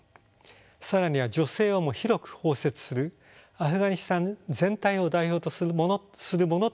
更には女性をも広く包摂するアフガニスタン全体を代表とするものとすることが必要です。